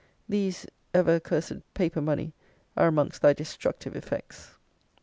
These, ever accursed paper money, are amongst thy destructive effects!